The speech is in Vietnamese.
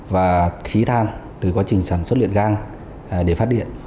và khí than từ quá trình sản xuất luyện gan để phát điện